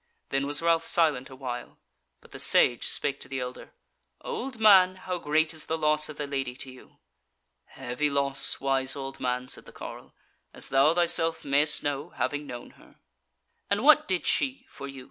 Then was Ralph silent awhile, but the Sage spake to the elder: "Old man, how great is the loss of the Lady to you?" "Heavy loss, wise old man," said the carle, "as thou thyself mayst know, having known her." "And what did she for you?"